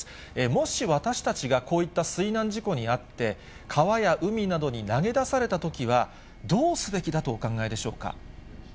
もし私たちがこういった水難事故に遭って、川や海などに投げ出されたときは、どうすべきだとお考えでしょうか。